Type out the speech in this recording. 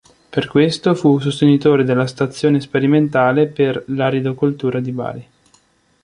Per questo fu sostenitore della Stazione sperimentale per l'Aridocoltura di Bari.